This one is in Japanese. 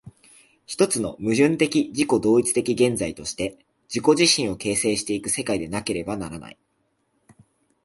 一つの矛盾的自己同一的現在として自己自身を形成し行く世界でなければならない。